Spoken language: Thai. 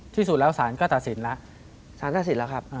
ที่สุดแล้วสารก็ตัดสินแล้วสารตัดสินแล้วครับ